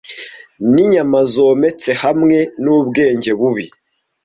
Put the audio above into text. N'inyama zometse hamwe n'ubwenge bubi.